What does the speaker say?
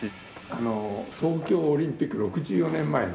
あの東京オリンピック６４年前の。